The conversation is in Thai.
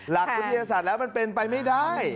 หลักวิทยาศาสตร์แล้วมันเป็นไปไม่ได้